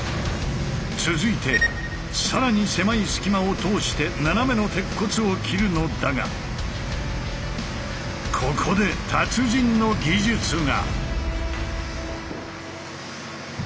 続いて更に狭い隙間を通して斜めの鉄骨を切るのだがここで達人の技術が。